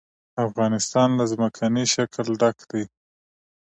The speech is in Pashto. افغانستان له ځمکنی شکل ډک دی.